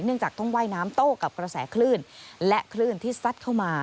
จากต้องว่ายน้ำโต้กับกระแสคลื่นและคลื่นที่ซัดเข้ามา